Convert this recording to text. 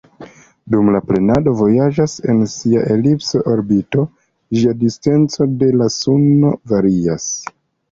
Dum planedo vojaĝas en sia elipsa orbito, ĝia distanco de la suno varias.